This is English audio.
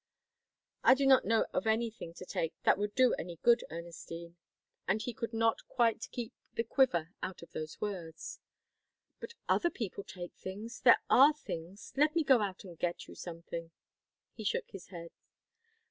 "I do not know of anything to take that would do any good, Ernestine," and he could not quite keep the quiver out of those words. "But other people take things. There are things. Let me go out and get you something." He shook his head.